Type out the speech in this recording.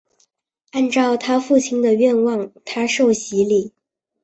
按照她父亲的愿望她受洗礼。